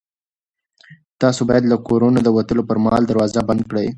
تاسو باید له کور نه د وتلو پر مهال دروازه بنده کړئ.